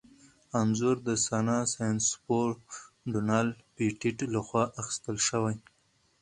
انځور د ناسا ساینسپوه ډونلډ پېټټ لخوا اخیستل شوی.